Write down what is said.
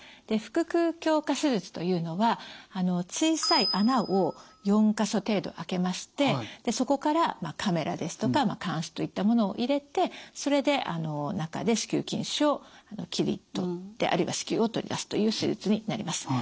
で腹腔鏡下手術というのは小さい孔を４か所程度開けましてそこからカメラですとか鉗子といったものを入れてそれで中で子宮筋腫を切り取ってあるいは子宮を取り出すという手術になります。